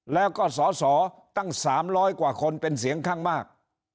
แล้วก็สอสอตั้ง๓๐๐กว่าคนเป็นเสียงข้างมาก